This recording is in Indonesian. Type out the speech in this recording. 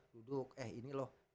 duduk eh ini loh